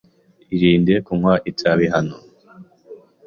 Irinde kunywa itabi hano.